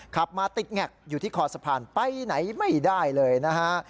ขับมาติดแงกอยู่ที่คอสะพานไปไหนไม่ได้เลยนะฮะ